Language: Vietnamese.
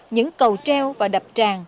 những cầu treo và đập tràn